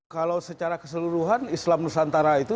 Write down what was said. kalau secara keseluruhan islam nusantara itu